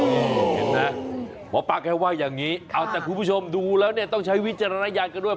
เห็นไหมหมอปะแก้ว่าอย่างนี้คุณผู้ชมดูแล้วต้องใช้วิจารณญาณกันด้วย